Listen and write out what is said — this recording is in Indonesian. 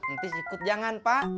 ntis ikut jangan pak